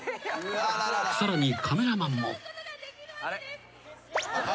［さらにカメラマンも］